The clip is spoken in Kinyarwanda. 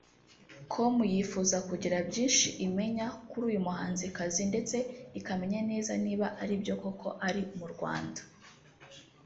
com yifuza kugira byinshi imenya kuri uyu muhanzikazi ndetse ikamenya neza niba aribyo koko ari mu Rwanda